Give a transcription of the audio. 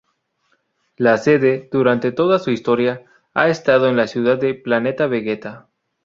La sede, durante toda su historia, ha estado en la ciudad de Planeta Vegeta.